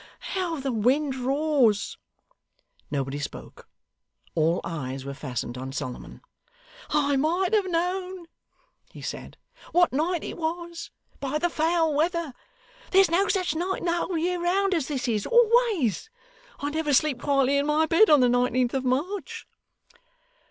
How the wind roars!' Nobody spoke. All eyes were fastened on Solomon. 'I might have known,' he said, 'what night it was, by the foul weather. There's no such night in the whole year round as this is, always. I never sleep quietly in my bed on the nineteenth of March.